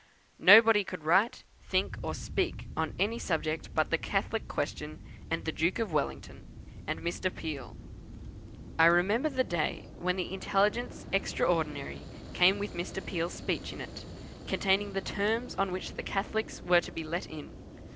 Nobody could write, think, or speak on any subject but the Catholic question, and the Duke of Wellington, and Mr. Peel. I remember the day when the Intelligence Extraordinary came with Mr. Peel's speech in it, containing the terms on which the Catholics were to be let in!